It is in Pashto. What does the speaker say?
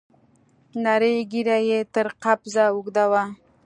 نرۍ ږيره يې تر قبضه اوږده وه.